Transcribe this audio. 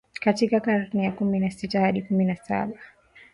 katika karne ya kumi na sita hadi kumi na Saba